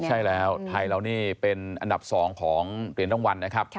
ใช่แล้วไทยเรานี่เป็นอันดับ๒ของเหรียญรางวัลนะครับ